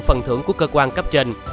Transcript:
phần thưởng của cơ quan cấp trên